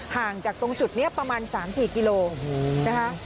ห่างจากตรงจุดนี้ประมาณ๓๔กิโลนะคะ